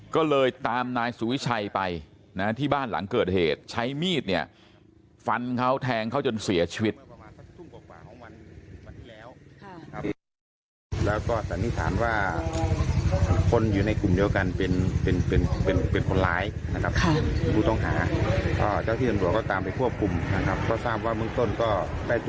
ก็เลยตามนายสุวิชัยไปนะที่บ้านหลังเกิดเหตุใช้มีดเนี่ยฟันเขาแทงเขาจนเสียชีวิต